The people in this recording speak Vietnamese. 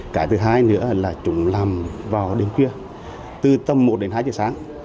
cái thứ hai nữa là chúng làm vào đêm khuya từ tâm một đến hai giờ sáng